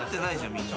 みんな。